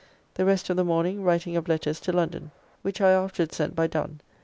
The rest of the morning writing of letters to London which I afterwards sent by Dunne.